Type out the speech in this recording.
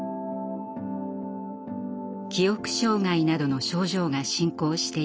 「記憶障害などの症状が進行していき